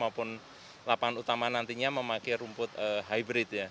maupun lapangan utama nantinya memakai rumput hybrid ya